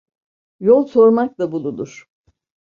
Yol sormakla bulunur.